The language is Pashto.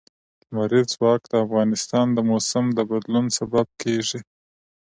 لمریز ځواک د افغانستان د موسم د بدلون سبب کېږي.